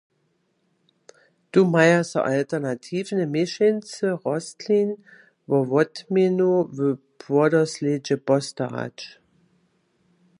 Tu maja so alternatiwne měšeńcy rostlin wo wotměnu w płodoslědźe postarać.